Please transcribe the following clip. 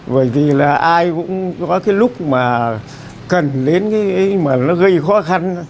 bởi vì là ai cũng có cái lúc mà cần đến cái mà nó gây khó khăn á